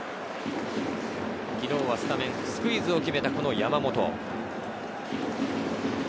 昨日はスタメン、スクイズを決めた山本。